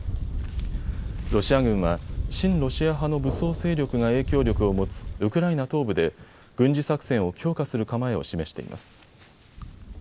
ロシア軍は親ロシア派の武装勢力が影響力を持つウクライナ東部で軍事作戦を強化する構えを示しています。